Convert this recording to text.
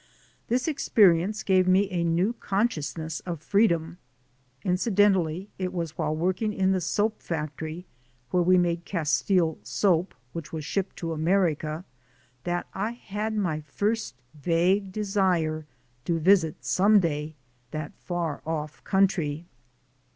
This experience gave me a new consciousness of freedom. Incidentally, it was while working in the soap factory, where we made Castile soap, which was shipped to America, that I had my first vague desire to visit some day that far off country.